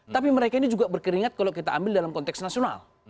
tapi mereka ini juga berkeringat kalau kita ambil dalam konteks nasional